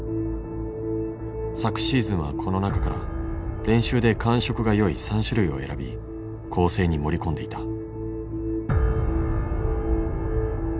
昨シーズンはこの中から練習で感触がよい３種類を選び構成に盛り込んでいた。